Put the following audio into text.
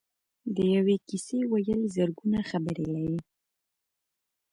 د یوې کیسې ویل زرګونه خبرې لري.